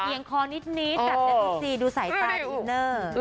เหยียงคอนิดนิดดูสายตาตีนเตอร์